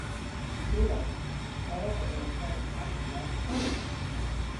Gyllowgh. Ev a yll prena pasti agas honan.